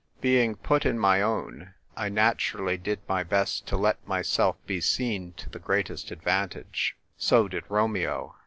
Being put in my own, I naturally did my best to let myself be seen to the greatest advan tage. So did Romeo.